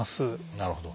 なるほど。